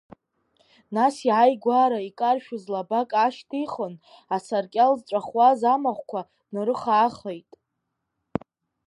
Нас иааигәара икаршәыз лабак аашьҭихын, асаркьал зҵәахуаз амахәқәа днарыха-аарыхеит.